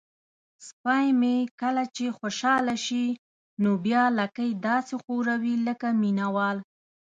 سپی مې کله چې خوشحاله شي نو بیا لکۍ داسې ښوروي لکه مینه وال.